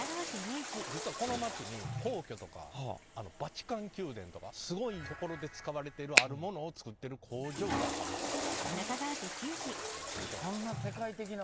実はこの町に皇居とかバチカン宮殿とかすごい所で使われてるあるものを作ってる工場があるという。